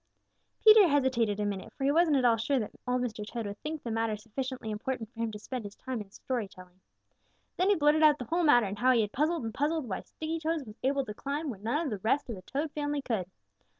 Peter hesitated a minute, for he wasn't at all sure that Old Mr. Toad would think the matter sufficiently important for him to spend his time in story telling. Then he blurted out the whole matter and how he had puzzled and puzzled why Sticky toes was able to climb when none of the rest of the Toad family could.